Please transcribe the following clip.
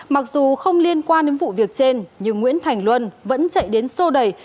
mặc dù không liên quan đến vụ việc trên nhưng nguyễn thành luân vẫn chạy đến sô đẩy